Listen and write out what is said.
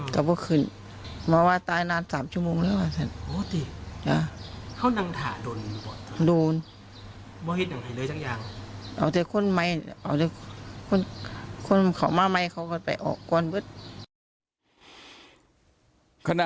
กับพวกขึ้นว่าตายนานสามชั่วโมงแล้วเค้าตัวเป็น